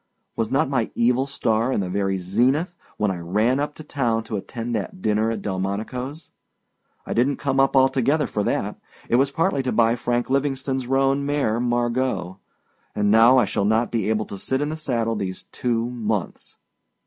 Was not my evil star in the very zenith when I ran up to town to attend that dinner at Delmonicoâs? I didnât come up altogether for that. It was partly to buy Frank Livingstoneâs roan mare Margot. And now I shall not be able to sit in the saddle these two months.